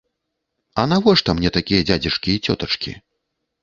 А навошта мне такія дзядзечкі і цётачкі?